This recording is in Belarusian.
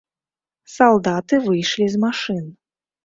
Салдаты выйшлі з машын.